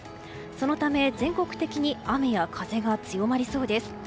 そのため全国的に雨や風が強まりそうです。